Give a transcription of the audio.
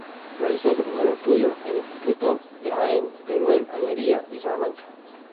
Realizó sus primeros estudios en Institutos de Jaen, Teruel, Almería y Salamanca.